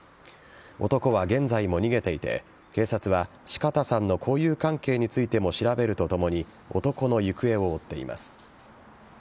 男は現在も逃げていて警察は四方さんの交友関係についても調べるとともに男の行方を追っています。